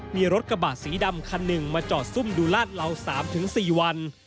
มีรถกระบะสีดำคันหนึ่งมาจอดซุ่มดูลาดเหล่า๓๔วัน